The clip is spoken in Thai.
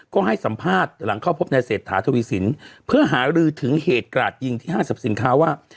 ก็ให้สัมภาษณ์หลังเข้าพบในเศรษฐาทวีสินเพื่อหารือถึงเหตุกราดยิงที่ห้างสรรพสินค้าว่า